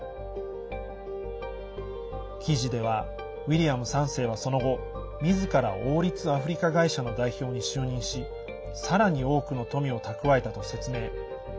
記事ではウィリアム３世はその後みずから王立アフリカ会社の代表に就任しさらに多くの富を蓄えたと説明。